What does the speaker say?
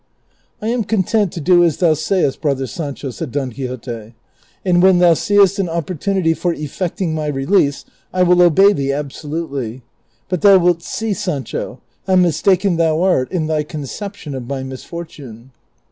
" I am content to do as thou sayest, brother Sancho," said Don Quixote, '' and when thou seest an opportunity for effecting my release I will obey thee absolutely ; but thou wilt see, Sancho, how mistaken thou art in thy conception of my misfortune."